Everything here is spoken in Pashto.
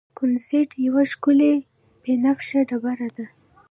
کونزیټ یوه ښکلې بنفشه ډبره ده.